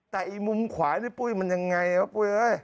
แต่อีมุมขวายในปุ้ยมันยังไงนะปุ๊ย